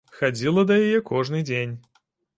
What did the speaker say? Хадзіла да яе кожны дзень.